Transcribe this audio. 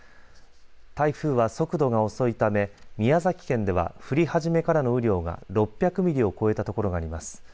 台風は速度が遅いため宮崎県では降り始めからの雨量が６００ミリを超えたところがあります。